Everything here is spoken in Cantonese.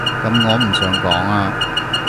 噉我唔想講啊